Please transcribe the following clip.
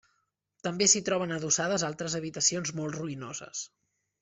També s'hi troben adossades altres habitacions molt ruïnoses.